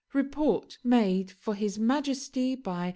REPORT MADE FOR HIS MAJESTY BY M.